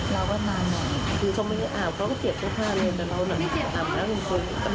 ก็บอกวันนี้เป็นไงครับเว้ยขอบคุณอีก